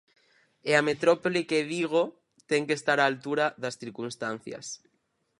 E a metrópole que é Vigo ten que estar á altura das circunstancias.